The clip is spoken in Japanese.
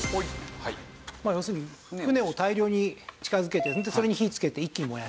要するに船を大量に近づけてそれに火つけて一気に燃やした。